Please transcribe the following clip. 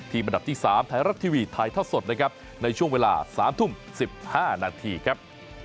อันดับที่๓ไทยรัฐทีวีถ่ายทอดสดนะครับในช่วงเวลา๓ทุ่ม๑๕นาทีครับ